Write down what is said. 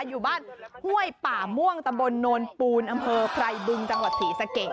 อยู่บ้านห้วยป่าม่วงตำบลโนนปูนอำเภอไพรบึงจังหวัดศรีสะเกด